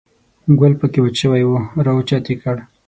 ګل په کې وچ شوی و، را اوچت یې کړ.